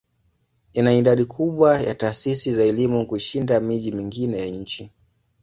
Ina idadi kubwa ya taasisi za elimu kushinda miji mingine ya nchi.